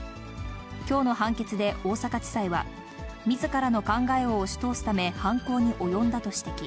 きょうの判決で大阪地裁は、みずからの考えを押し通すため、犯行に及んだと指摘。